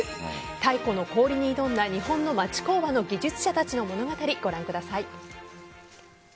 太古の氷に挑んだ日本の町工場の技術者たちの物語ご覧ください。